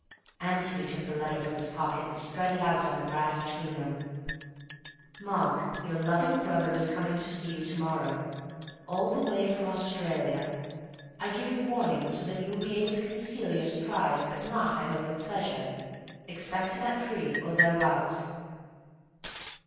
Antony took the letter from his pocket and spread it out on the grass between them. _"Mark, your loving brother is coming to see you to morrow, all the way from Australia. I give you warning, so that you will be able to conceal your surprise but not I hope your pleasure. Expect him at three or thereabouts."